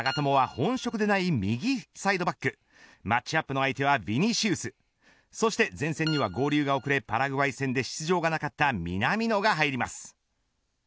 本職でない右サイドバックマッチアップの相手はヴィニシウスそして前線には合流が遅れ、パラグアイ戦で出場がなかった南野が入ります。